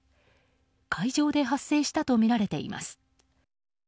海上で発生したとみられています。